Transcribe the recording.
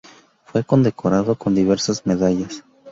Fue condecorado con diversas medallas.